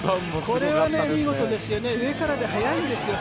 これは見事ですよね、上からで速いんですよ。